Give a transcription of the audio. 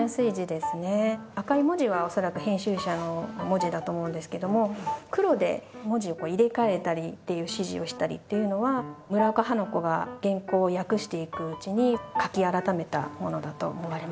赤い文字は恐らく編集者の文字だと思うんですけども黒で文字を入れ替えたりっていう指示をしたりっていうのは村岡花子が原稿を訳していくうちに書き改めたものだと思われます。